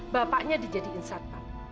bapaknya dijadiin sarpam